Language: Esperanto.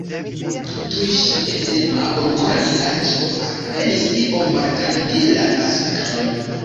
Tuj ŝia pensema, bonkora vizaĝo alprenis iom maltrankvilan aspekton.